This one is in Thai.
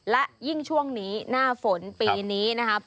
และยิ่งช่วงนี้หน้าฝนปีนี้นะครับ